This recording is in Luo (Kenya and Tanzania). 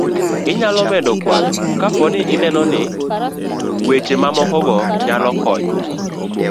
inyalo medo kwanno kapo ni ineno ni weche mamoko go nyalo konyo